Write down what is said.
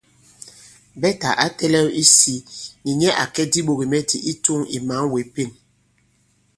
Bɛtà ǎ tɛ̄lɛ̄w isī nì nyɛ à kɛ diɓogìmɛtì i tûŋ ì mǎn wě Pên.